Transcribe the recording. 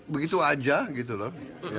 begitu aja gitu loh